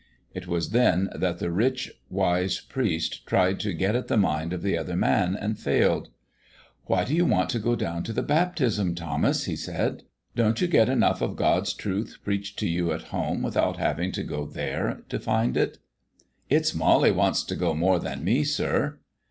It was then that the rich, wise priest tried to get at the mind of the other man and failed. "Why do you want to go down to the baptism, Thomas?" he said. "Don't you get enough of God's truth preached to you at home without having to go there to find it?" "It's Molly wants to go more than me, sir."